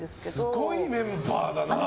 すごいメンバーだな。